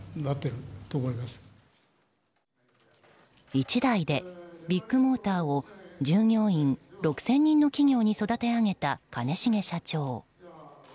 一代でビッグモーターを従業員６０００人の企業に育て上げた兼重社長。